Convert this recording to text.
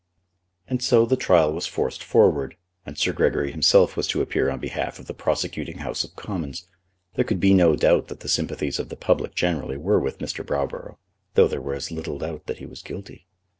And so the trial was forced forward, and Sir Gregory himself was to appear on behalf of the prosecuting House of Commons. There could be no doubt that the sympathies of the public generally were with Mr. Browborough, though there was as little doubt that he was guilty.